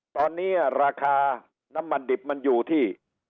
ตอนนี้ราคาน้ำมันดิบมันอยู่ที่